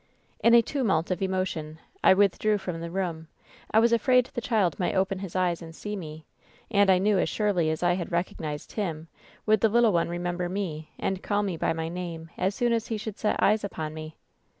"In a tumult of emotion I withdrew from the room. I was afraid the child might open his eyes and see me, and I knew as surely as I had recognized him would the little one remember me, and caU me by my name as soon as he should set eyes upon me.